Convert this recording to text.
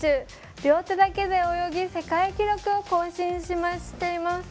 両手だけで泳ぎ、世界記録を更新しています。